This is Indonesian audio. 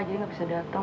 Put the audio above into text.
jadi gak bisa datang